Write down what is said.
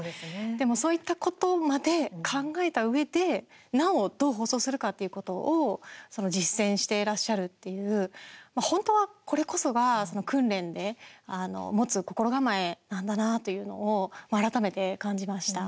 でも、そういったことまで考えたうえで、なおどう放送するかっていうことを実践していらっしゃるっていう本当はこれこそが訓練で持つ心構えなんだなっていうのを改めて感じました。